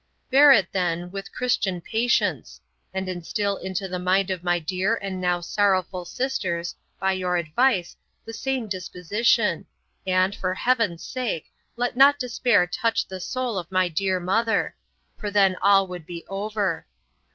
'Bear it then with Christian patience, and instil into the mind of my dear and now sorrowful sisters, by your advice, the same disposition; and, for heaven's sake, let not despair touch the soul of my dear mother for then all would be over.